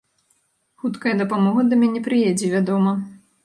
Хуткая дапамога да мяне прыедзе, вядома.